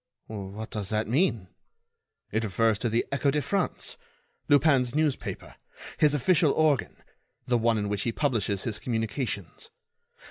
"What does that mean?" "It refers to the Echo de France, Lupin's newspaper, his official organ, the one in which he publishes his communications.